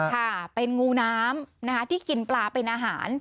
ค่ะเป็นงูน้ำนะคะที่กินปลาเป็นอาหาร